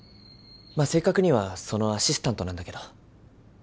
まあ正確にはそのアシスタントなんだけど。